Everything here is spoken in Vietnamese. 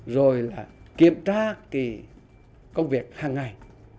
rồi kiểm tra công việc hàng ngày